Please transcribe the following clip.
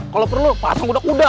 kalau perlu patung kuda kuda